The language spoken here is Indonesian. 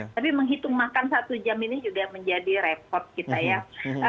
tapi menghitung makan satu jam ini juga menjadi repot kita ya